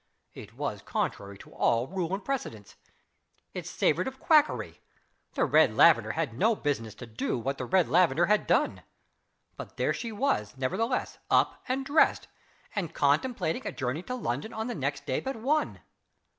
It was contrary to all rule and precedent; it savored of quackery the red lavender had no business to do what the red lavender had done but there she was, nevertheless, up and dressed, and contemplating a journey to London on the next day but one.